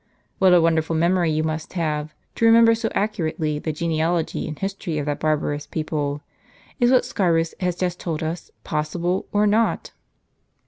What a wonderful memory you must have, to remember so accurately the genealogy and history of that barbarous people! Is what Scaurus has just told us possible, or not?"